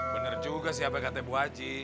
bener juga sih apa yang kata bu haji